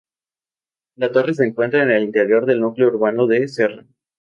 La torre se encuentra en el interior del núcleo urbano de Serra.